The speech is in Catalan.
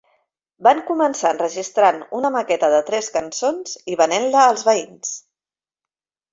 Van començar enregistrant una maqueta de tres cançons i venent-la als veïns.